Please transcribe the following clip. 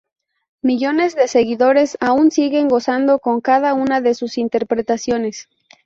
Millones de seguidores aún siguen gozando con cada una de sus interpretaciones.